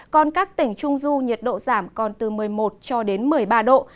còn các tỉnh trung du nhiệt độ giảm còn từ một mươi một cho đến một mươi ba độ